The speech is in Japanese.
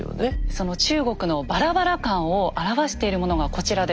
その中国のバラバラ感を表しているものがこちらです。